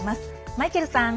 マイケルさん！